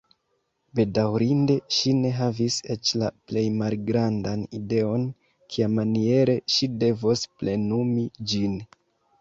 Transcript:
Bedaŭrinde, ŝi ne havis eĉ la plej malgrandan ideon kiamaniere ŝi devos plenumi ĝin.